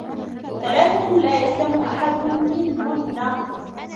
ثَلَاثَةٌ لَا يَسْلَمُ أَحَدٌ مِنْهُنَّ